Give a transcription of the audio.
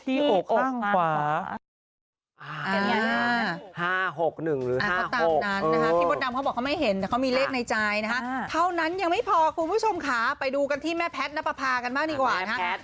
ตามนั้นนะคะพี่มดดำเขาบอกเขาไม่เห็นแต่เขามีเลขในใจนะฮะเท่านั้นยังไม่พอคุณผู้ชมค่ะไปดูกันที่แม่แพทย์นับประพากันบ้างดีกว่านะครับ